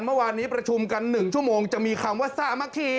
เมื่อวานนี้ประชุมกัน๑ชั่วโมงจะมีคำว่าสามัคคี